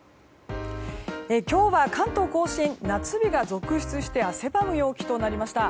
今日は関東・甲信夏日が続出して汗ばむ陽気となりました。